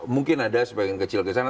mungkin ada sebagian kecil ke sana